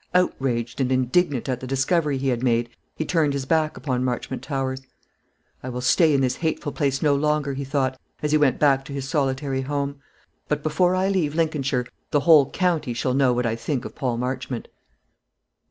Outraged and indignant at the discovery he had made, he turned his back upon Marchmont Towers. "I will stay in this hateful place no longer," he thought, as he went back to his solitary home; "but before I leave Lincolnshire the whole county shall know what I think of Paul Marchmont."